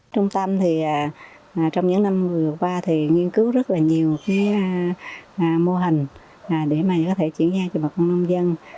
trung tâm trong những năm vừa qua nghiên cứu rất nhiều mô hình để có thể chuyển giao cho bà con nông dân